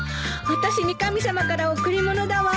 わたしに神様から贈り物だわ。